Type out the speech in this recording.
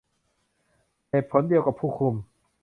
เหตุผลเดียวกับผู้คุม